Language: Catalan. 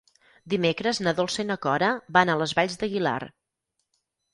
Dimecres na Dolça i na Cora van a les Valls d'Aguilar.